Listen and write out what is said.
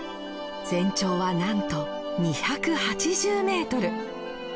全長はなんと２８０メートル。